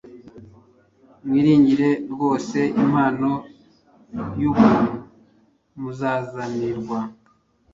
mwiringire rwose impano y’ubuntu muzazanirwa,